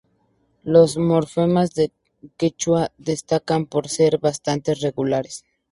Los morfemas del quechua destacan por ser bastante regulares.